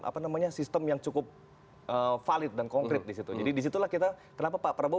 apa namanya sistem yang cukup valid dan konkret disitu jadi disitulah kita kenapa pak prabowo